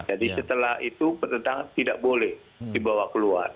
jadi setelah itu bertentangan tidak boleh dibawa keluar